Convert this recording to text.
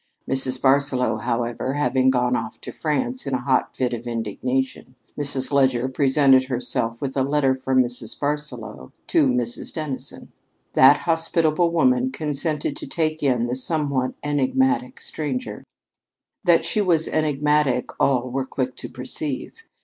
Mrs. Barsaloux, however, having gone off to France in a hot fit of indignation, Mrs. Leger presented herself with a letter from Mrs. Barsaloux to Mrs. Dennison. That hospitable woman consented to take in the somewhat enigmatic stranger. That she was enigmatic all were quick to perceive.